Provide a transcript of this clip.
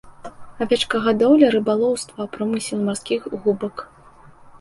Авечкагадоўля, рыбалоўства, промысел марскіх губак.